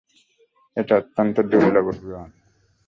এটা অত্যন্ত দুর্বল অভিমত।